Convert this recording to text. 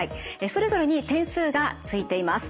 それぞれに点数がついています。